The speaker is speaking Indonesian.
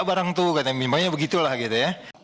barang itu memangnya begitulah gitu ya